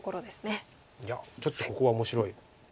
いやちょっとここは面白い。